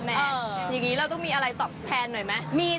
อย่างนี้เราต้องมีอะไรตอบแทนหน่อยไหม